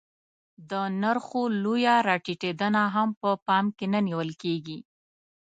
د نرخو لویه راټیټېدنه هم په پام کې نه نیول کېږي